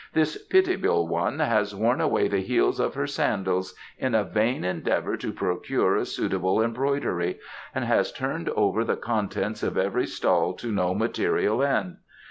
"This pitiable one has worn away the heels of her sandals in a vain endeavour to procure a suitable embroidery, and has turned over the contents of every stall to no material end.